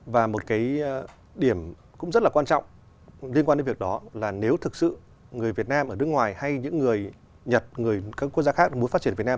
và một cái điểm cũng rất là quan trọng liên quan đến việc đó là nếu thực sự người việt nam ở nước ngoài hay những người nhật người các quốc gia khác muốn phát triển việt nam